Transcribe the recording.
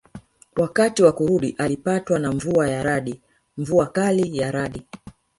Wakati wa kurudi alipatwa na mvua ya radi mvua kali ya radi